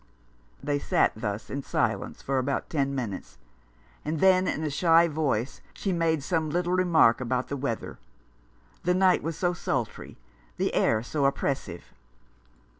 They sat thus in silence for about ten minutes, and then in a shy voice she made some little remark about the weather. The night was so sultry, the air so oppressive